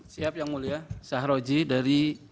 siap yang mulia sahroji dari